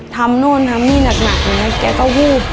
ทำโน่นทำนี่หนักแล้วแกก็วูบ